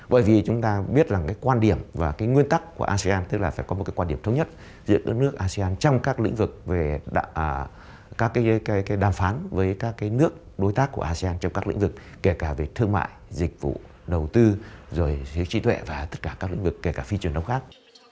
bởi vì chúng ta biết rằng cái quan điểm và cái nguyên tắc của asean tức là phải có một cái quan điểm thống nhất giữa các nước asean trong các lĩnh vực về các cái đàm phán với các cái nước đối tác của asean trong các lĩnh vực kể cả về thương mại dịch vụ đầu tư rồi trí tuệ và tất cả các lĩnh vực kể cả phi truyền thống khác